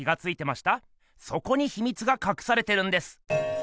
そこにひみつがかくされてるんです。